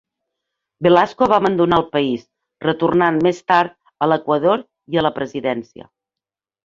Velasco va abandonar el país, retornant més tard a l'Equador i a la presidència.